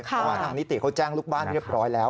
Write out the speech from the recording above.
เพราะว่าทางนิติเขาแจ้งลูกบ้านเรียบร้อยแล้ว